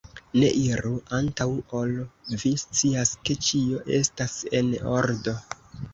Ne iru, antaŭ ol vi scias, ke ĉio estas en ordo!